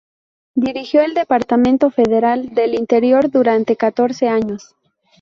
Dirigió el Departamento Federal del Interior durante catorce años.